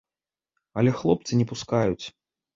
Але хлопцы не пускаюць.